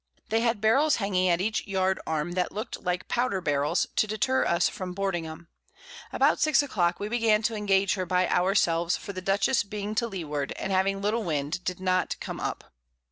They had Barrels hanging at each Yard Arm, that look'd like Powder Barrels, to deter us from boarding 'em. About 8 a Clock we began to engage her by our selves, for the Dutchess being to Leeward, and having little Wind, did not come up.